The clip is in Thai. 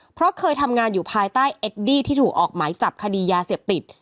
เพราะเคยทำงานอยู่ภายใต้เอดดี้ที่ถูกออกหมายจับคดียาเสพติด